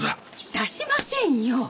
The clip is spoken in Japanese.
出しませんよ！